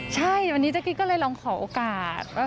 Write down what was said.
ใช่ติดตามีจักรี้เลยลองขอโอกาส